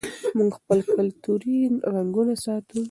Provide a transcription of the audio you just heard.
موږ خپل کلتوري رنګونه ساتو.